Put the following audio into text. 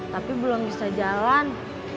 tapi belum bisa jalan